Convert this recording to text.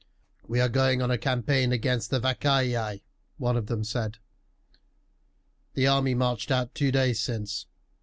"We are going on a campaign against the Vacaei," one of them said. "The army marched out two days since.